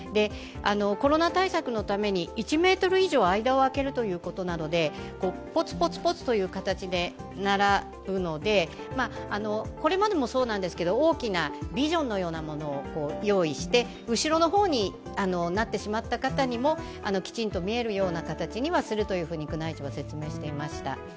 コロナ対策のために１ｍ以上間を空けるということなのでポツポツポツという形で並ぶので、これまでもそうなんですけれども、大きなビジョンのようなものを用意して後ろの方になってしまった方にもきちんと見えるような形にはするというふうに宮内庁は説明していました。